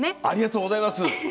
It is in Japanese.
ありがとうございます。